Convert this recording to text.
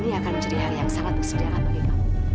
dan ini akan menjadi hari yang sangat bersedia bagi kamu